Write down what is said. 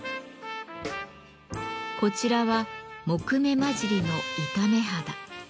こちらは杢目交じりの板目肌。